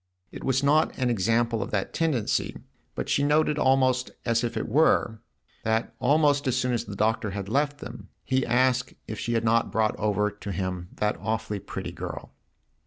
It was not an example of that tendency, but she noted almost as if it were that almost as soon as the Doctor had left them he asked if she had not brought over to him that awfully pretty girl.